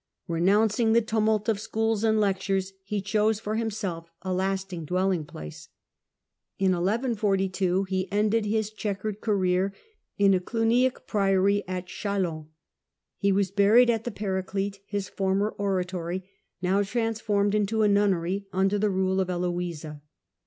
" Kenouncing the tumult of schools and lectures, he chose for himself a lasting dwelling place." In 1142 he ended his chequered career in a Cluniac priory at Chalons. He was buried at the Paraclete, his former oratory, now transformed into a nunnery, under the rule of Heloisa.